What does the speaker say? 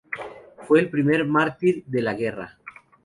Fue el primer mártir de la guerra.